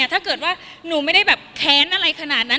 ถ้าเกิดว่าหนูไม่ได้แบบแค้นอะไรขนาดนั้น